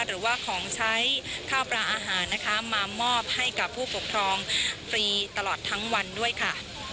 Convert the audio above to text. หรือว่าของใช้ข้าวปลาอาหารนะคะมามอบให้กับผู้ปกครองฟรีตลอดทั้งวันด้วยค่ะ